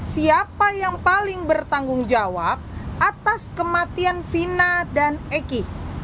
siapa yang paling bertanggung jawab atas kematian vina dan egy